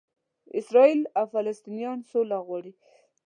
اسراییل او فلسطنینان سوله غواړي.